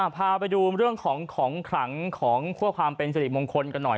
พาไปดูเรื่องของของขลังของเพื่อความเป็นสิริมงคลกันหน่อย